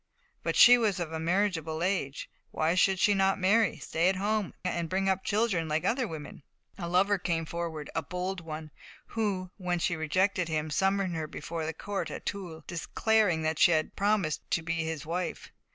But she was of a marriageable age; why should she not marry, stay at home, and bring up children, like other women? A lover came forward, a bold one, who, when she rejected him, summoned her before the court at Toul, declaring that she had promised to be his wife.